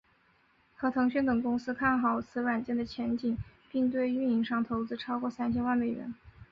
和腾讯等公司看好此软件的前景并对运营商投资超过三千万美元。